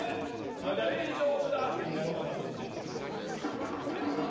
はいだいじょぶだぁっていうのやろうかなと思ってるんです。